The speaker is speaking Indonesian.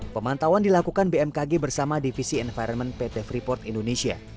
pemantauan dilakukan bmkg bersama divisi environment pt freeport indonesia